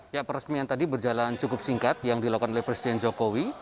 ya peresmian tadi berjalan cukup singkat yang dilakukan oleh presiden jokowi